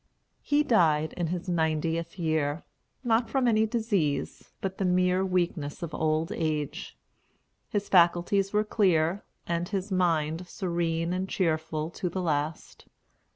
He died in his ninetieth year; not from any disease, but the mere weakness of old age. His faculties were clear, and his mind serene and cheerful to the last.